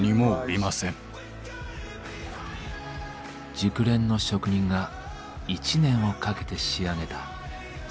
熟練の職人が１年をかけて仕上げた最高傑作。